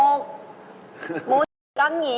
ด้วยการกักตัวภรรยาคุณไว้กับผม๓วัน๓คืน